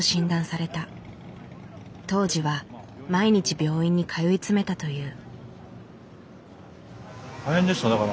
当時は毎日病院に通い詰めたという。